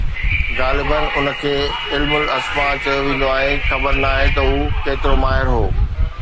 غالباً ان کي ”علم الاسماء“ چيو ويندو آهي، خبر ناهي ته هو ڪيترو ماهر هو.